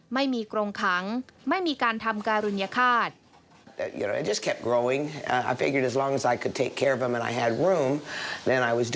ไม่มีกรงขังไม่มีการทำการุญฆาต